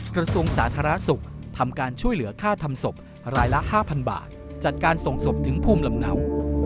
กระทรวงสาธารณสุขทำการช่วยเหลือค่าทำศพรายละ๕๐๐บาทจัดการส่งศพถึงภูมิลำเนา